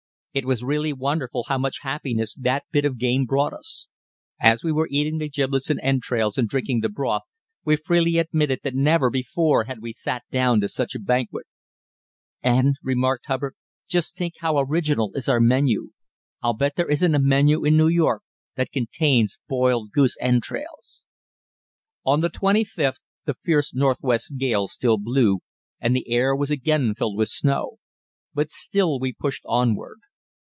It was really wonderful how much happiness that bit of game brought us. As we were eating the giblets and entrails and drinking the broth, we freely admitted that never before had we sat down to such a banquet. "And," remarked Hubbard, "just think how original is our menu. I'll bet there isn't a menu in New York that contains boiled goose entrails." On the 25th the fierce northwest gale still blew, and the air was again filled with snow. But still we pushed onward.